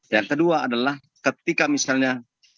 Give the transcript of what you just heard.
yang kedua adalah ketika misalnya